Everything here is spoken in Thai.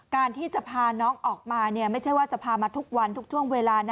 การที่จะพาน้องออกมาไม่ใช่ว่าจะพามาทุกวันทุกช่วงเวลานะ